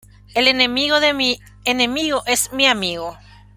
El enemigo de mi enemigo es mi amigo